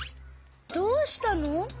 どうしたの？